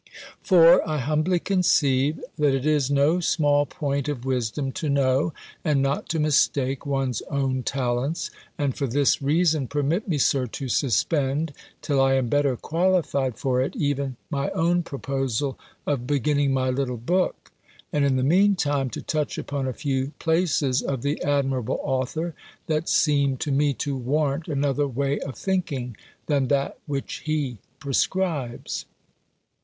For, I humbly conceive, that it is no small point of wisdom to know, and not to mistake, one's own talents: and for this reason, permit me, Sir, to suspend, till I am better qualified for it, even my own proposal of beginning my little book; and, in the mean time, to touch upon a few places of the admirable author, that seem to me to warrant another way of thinking, than that which he prescribes.